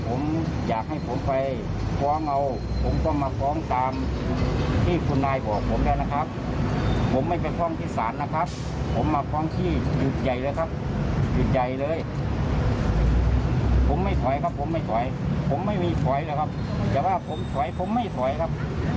ผมไม่มีสวยแล้วครับแต่ว่าผมสวยผมไม่สวยครับ